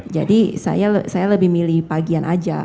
jadi saya lebih milih pagian aja